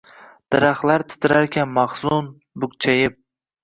Daraxtlar titrarkan mahzun, bukchayib